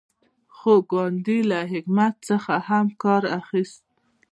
خو ګاندي له حکمت څخه هم کار اخیست.